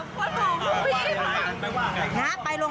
พี่ต้องถามคนของพี่ผ่าน